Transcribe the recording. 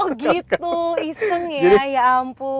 oh gitu iseng ya ya ampun